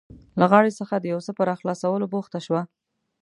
له غاړې څخه د یو څه په راخلاصولو بوخته شوه.